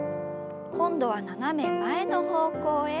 今度は斜め前の方向へ。